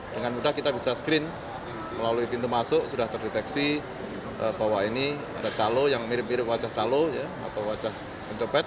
dengan mudah kita bisa screen melalui pintu masuk sudah terdeteksi bahwa ini ada calo yang mirip mirip wajah calo atau wajah pencopet